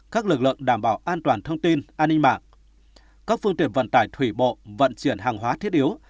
các lực lượng đảm bảo an toàn thông tin an ninh mạng các phương tiện vận tải thủy bộ vận chuyển hàng hóa thiết yếu